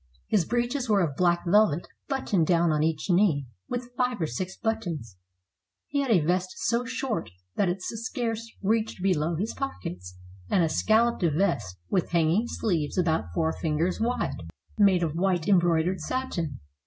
His breeches were of black velvet, buttoned down on each knee with five or six buttons; he had a vest so short that it scarce reached below his pockets; and a scalloped vest with hanging sleeves about four fingers wide, made of white embroidered satin.